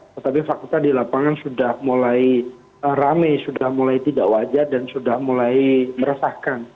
tetapi fakta di lapangan sudah mulai rame sudah mulai tidak wajar dan sudah mulai meresahkan